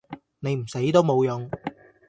你唔死都無用